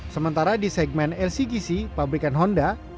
sementara di segmen lcgc pabrikan honda